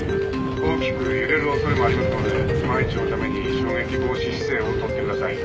大きく揺れる恐れもありますので万一のために衝撃防止姿勢を取ってください。